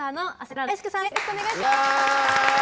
よろしくお願いします。